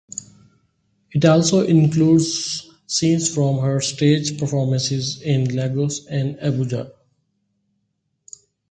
It also includes scenes from her stage performances in Lagos and Abuja.